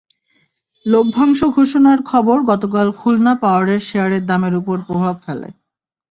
লভ্যাংশ ঘোষণার খবর গতকাল খুলনা পাওয়ারের শেয়ারের দামের ওপর প্রভাব ফেলে।